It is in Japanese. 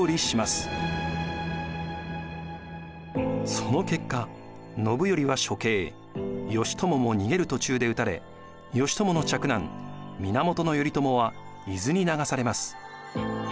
その結果信頼は処刑義朝も逃げる途中で討たれ義朝の嫡男源頼朝は伊豆に流されます。